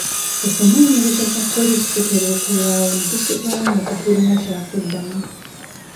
Okunoonyereza kwa poliisi kutera okulwawo ne tusigala nga tetulina kyakuddamu.